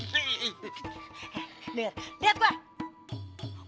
dengar lihat gue